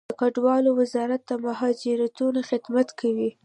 د کډوالو وزارت د مهاجرینو خدمت کوي